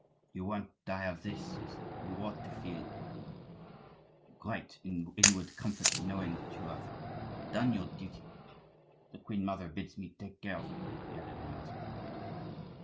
"You won't die of this," he said. "You ought to feel great inward comfort, knowing that you have done your duty.—The queen mother bids me take care of you," he added in a whisper.